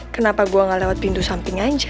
kenapa gue gak lewat pintu samping aja